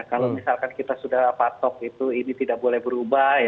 kalau misalkan kita sudah patok itu ini tidak boleh berubah